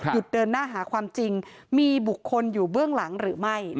เดินหน้าหาความจริงมีบุคคลอยู่เบื้องหลังหรือไม่